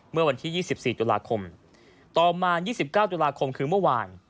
เมื่อวันที่๒๔ตุลาคมต่อมา๒๙ตุลาคมคือเมื่อวาน